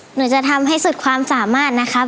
หนูจะทำให้สุดความสามารถนะครับ